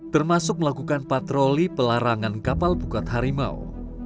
termasuk melakukan patroli pelarangan kapal pukat harimau